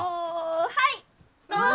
はいどうぞ！